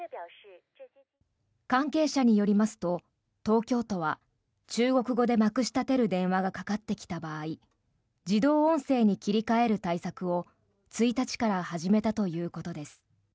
関係者によりますと東京都は中国語でまくし立てる電話がかかってきた場合自動音声に切り替える対策を１日から始めたということです。